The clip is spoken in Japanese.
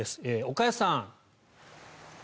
岡安さん。